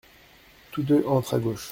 Tous deux entrent à gauche.